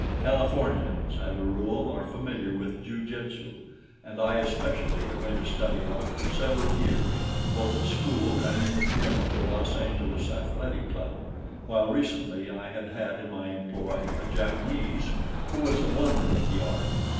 Californians, as a rule, are familiar with ju jutsu, and I especially had made a study of it for several years, both at school and in the gym of the Los Angeles Athletic Club, while recently I had had, in my employ, a Jap who was a wonder at the art.